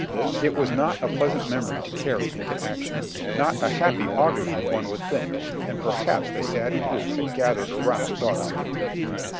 It was not a pleasant memory to carry into action !— not a happy augury one would think, and perhaps the saddened group who gathered around thought so.